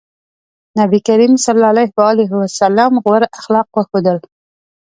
نبي کريم ص غوره اخلاق وښودل.